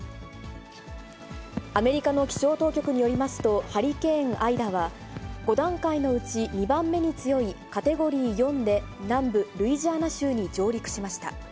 アメリカの気象当局によりますと、ハリケーン・アイダは、５段階のうち、２番目に強いカテゴリー４で、南部ルイジアナ州に上陸しました。